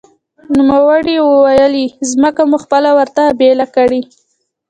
نوموړي ویلي، ځمکه مو خپله ورته بېله کړې